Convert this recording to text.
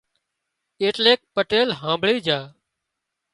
ايٽليڪ پٽيل هامڀۯي جھا